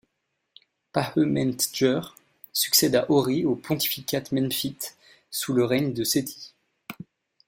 Pahementjer succède à Hori au pontificat memphite sous le règne de Séthi.